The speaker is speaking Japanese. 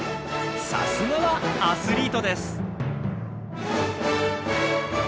さすがはアスリートです。